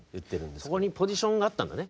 そこにポジションがあったんだね。